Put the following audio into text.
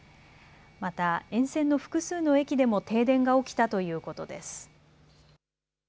また沿線の複数の駅でも停電が起きたということです。